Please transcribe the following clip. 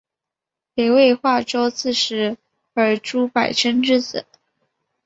北魏华州刺史尔朱买珍之子。